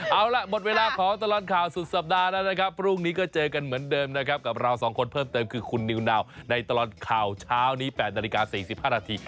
เอาล่ะหมดเวลาของตลอดข่าวสุดสัปดาห์แล้วนะครับพรุ่งนี้ก็เจอกันเหมือนเดิมนะครับกับเราสองคนเพิ่มเติมคือคุณนิวนาวในตลอดข่าวเช้านี้๘นาฬิกา๔๕นาที